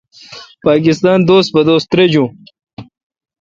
پاکستان دوس پہ دوس ترجون۔